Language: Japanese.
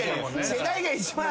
世代が一番ね。